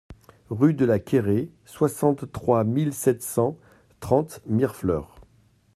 Rue de la Quéré, soixante-trois mille sept cent trente Mirefleurs